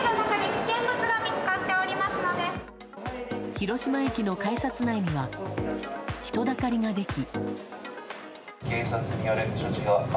広島駅の改札内には人だかりができ。